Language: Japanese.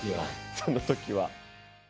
そのときは。